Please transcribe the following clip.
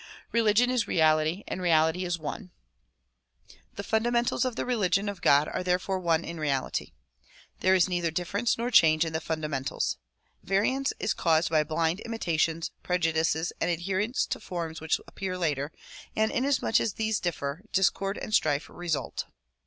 Religion is reality and reality is one. The fundamentals of the religion of God are therefore one in reality. There is neither difference nor change in the funda mentals. Variance is caused by blind imitations, prejudices and 114 THE PROMULGATION OF UNIVERSAL PEACE adherence to forms which appear later, and inasmuch as these differ, discord and strife result.